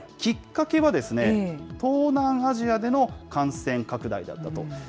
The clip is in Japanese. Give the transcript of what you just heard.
きっかけは、東南アジアでの感染拡大だったと。